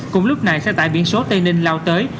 cùng lúc này xe tại biển số tây ninh lao tới